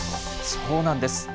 そうなんです。